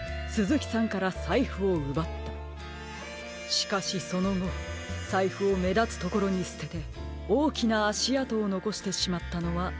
しかしそのごさいふをめだつところにすてておおきなあしあとをのこしてしまったのはうかつでしたね。